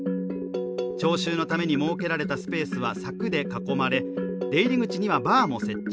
聴衆のために設けられたスペースは柵で囲まれ出入り口にはバーも設置。